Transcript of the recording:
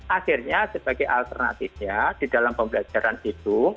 akhirnya sebagai alternatifnya di dalam pembelajaran itu